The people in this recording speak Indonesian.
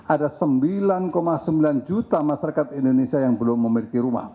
ada sembilan sembilan juta masyarakat indonesia yang belum memiliki rumah